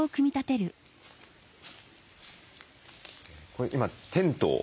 これ今テントを？